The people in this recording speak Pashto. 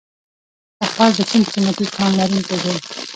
تخار د کوم قیمتي کان لرونکی دی؟